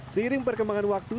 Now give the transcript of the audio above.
seiring perkembangan waktu